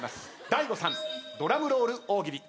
大悟さんドラムロール大喜利。